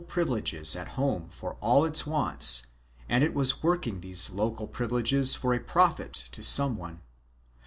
388 PRIVILEGES AND EXEMPTIONS [BOOK II home for all its wants and it was working these local privileges for a profit to some one.